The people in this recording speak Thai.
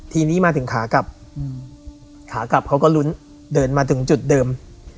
ทีนี้มาถึงขากลับขากลับเขาก็ลุ้นเดินมาถึงจุดเดิม